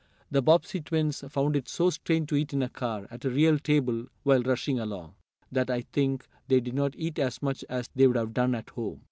The Bobbsey twins found it so strange to eat in a car, at a real table, while rushing along, that I think they did not eat as much as they would have done at home.